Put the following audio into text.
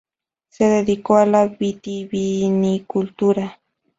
Se dedicó a la vitivinicultura.